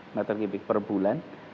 meter kubik per bulan